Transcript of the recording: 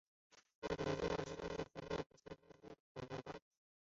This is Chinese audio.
霞林街道是中国福建省莆田市城厢区下辖的一个街道。